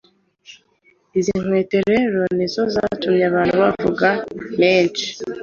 Izi nkweto rero nizo zatumye abantu bavuga menshi